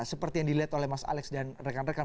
seperti yang dilihat oleh mas alex dan rekan rekan